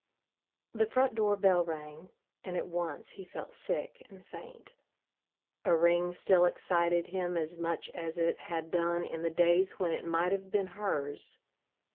The front door bell rang and at once, he felt sick and faint. A ring still excited him as much as it had done in the days when it might have been hers.